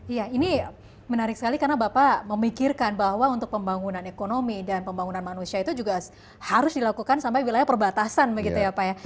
iya ini menarik sekali karena bapak memikirkan bahwa untuk pembangunan ekonomi dan pembangunan manusia itu juga harus dilakukan sampai wilayah perbatasan begitu ya pak ya